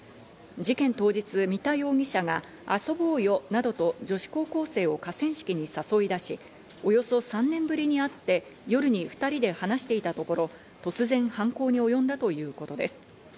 事件当日、三田容疑者が遊ぼうよなどと女子高校生を河川敷に誘い出し、およそ３年ぶりに会って、夜に２人で話していたところ、突然犯行に及んだということです。